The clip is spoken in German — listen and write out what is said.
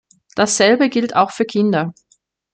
Dasselbe gilt auch für Kinder.